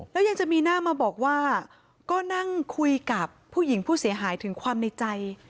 แล้วยังจะมีหน้ามาบอกว่าก็นั่งคุยกับผู้หญิงผู้เสียหายถึงความในใจ